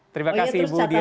terima kasih ibu diapitaloka